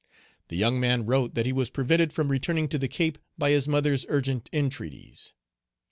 The young man wrote that he was prevented from returning to the Cape by his mother's urgent entreaties.